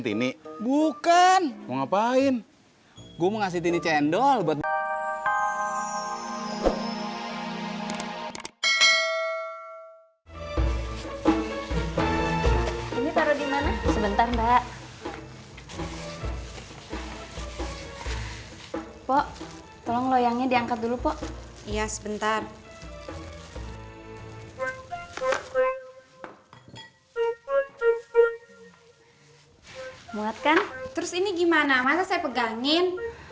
tini cendol buat